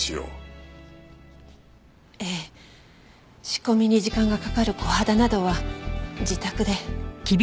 仕込みに時間がかかるコハダなどは自宅で。